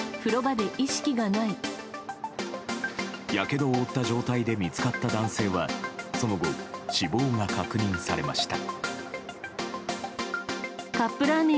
やけどを負った状態で見つかった男性はその後、死亡が確認されました。